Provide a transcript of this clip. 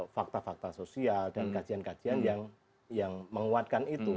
fakta fakta sosial dan kajian kajian yang menguatkan itu